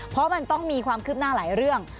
เพราะมันต้องมีความคืบหน้าหลายเรื่อง